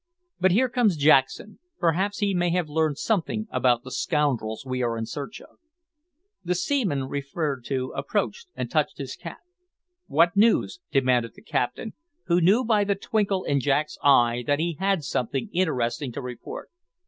But here comes Jackson. Perhaps he may have learned something about the scoundrels we are in search of." The seaman referred to approached and touched his cap. "What news?" demanded the captain, who knew by the twinkle in Jack's eye that he had something interesting to report.